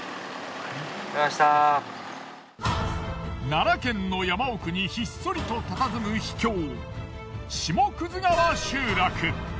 奈良県の山奥にひっそりとたたずむ秘境下葛川集落。